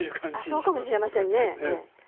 あっそうかもしれませんね。